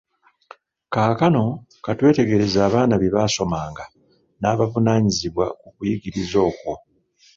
Kaakano ka twetegereze abaana bye baasomanga n’abavunaanyizibwa ku kuyigiriza okwo.